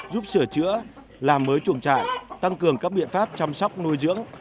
giúp sửa chữa làm mới chuồng trại tăng cường các biện pháp chăm sóc nuôi dưỡng